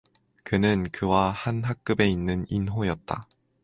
그는 그와 한 학급에 있는 인호였다.